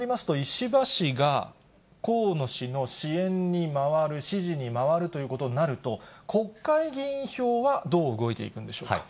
そうなりますと、石破氏が河野氏の支援に回る、支持に回るということになると、国会議員票はどう動いていくんでしょうか。